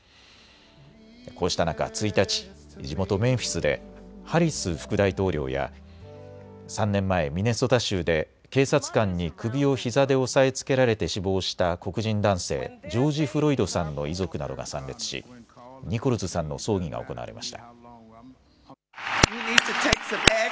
こうした中、１日、地元メンフィスでハリス副大統領や３年前、ミネソタ州で警察官に首をひざで押さえつけられて死亡した黒人男性、ジョージ・フロイドさんの遺族などが参列し、ニコルズさんの葬儀が行われました。